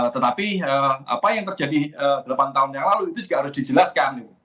tetapi apa yang terjadi delapan tahun yang lalu itu juga harus dijelaskan